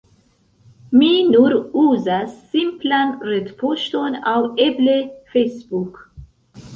Mi nur uzas simplan retpoŝton aŭ eble Facebook.